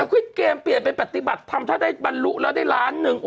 คลิปเกมเปลี่ยนไปปฏิบัติทำถ้าได้บรรลุแล้วได้ล้านหนึ่ง